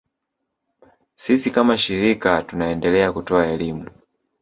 Sisi kama shirika tunaendelea kutoa elimu